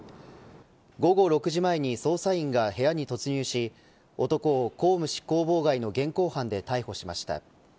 午後６時前に捜査員が部屋に突入し男を公務執行妨害の現行犯で逮捕しました。